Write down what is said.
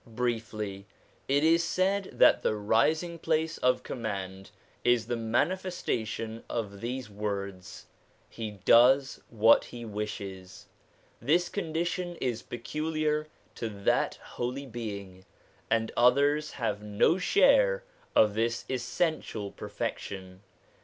Briefly, it is said that the ' Rising place of Command ' is the manifestation of these words, ' He does what He wishes '; this condition is peculiar to that Holy Being, and others have no share of this essential perfection.